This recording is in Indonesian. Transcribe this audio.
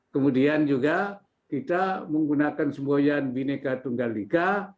kemudian juga kita menggunakan semboyan bineka tunggal liga